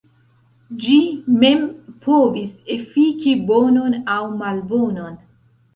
Ĝi mem povis efiki bonon aŭ malbonon.